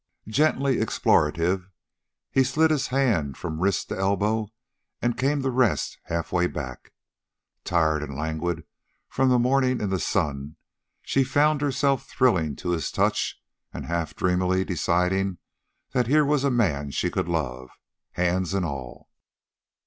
Gently explorative, he slid his hand from wrist to elbow and came to rest half way back. Tired and languid from the morning in the sun, she found herself thrilling to his touch and half dreamily deciding that here was a man she could love, hands and all.